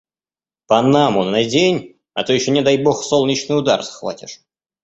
Панаму надень, а то ещё не дай бог солнечный удар схватишь.